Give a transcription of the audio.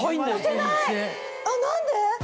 何で？